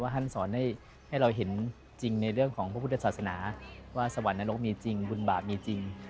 ท่านสอนให้เราเห็นจริงในเรื่องของพระพุทธศาสนาว่าสวรรคนรกมีจริงบุญบาปมีจริง